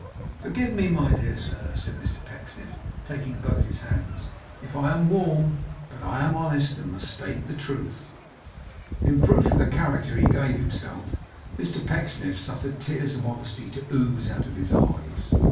Forgive me, my dear sir,' said Mr Pecksniff, taking both his hands, 'if I am warm; but I am honest, and must state the truth.' In proof of the character he gave himself, Mr Pecksniff suffered tears of honesty to ooze out of his eyes.